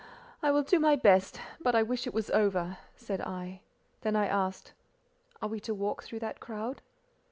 "I will do my best, but I wish it was over," said I; then I asked: "Are we to walk through that crowd?"